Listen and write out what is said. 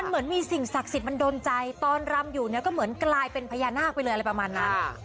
เหมือนมีสิ่งศักดิ์สิทธิ์มันโดนใจตอนรำอยู่เนี่ยก็เหมือนกลายเป็นพญานาคไปเลยอะไรประมาณนั้น